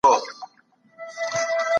ایا کورني سوداګر چارمغز پروسس کوي؟